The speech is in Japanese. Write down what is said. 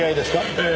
ええ。